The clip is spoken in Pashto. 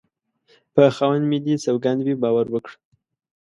په خاوند مې دې سوگند وي باور وکړه